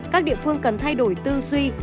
các địa phương cần thay đổi tư duy